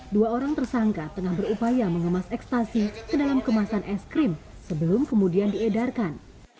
dua orang tersangka tengah berupaya mengemas ekstasi ke dalam kemasan es krim sebelum kemudian diedarkan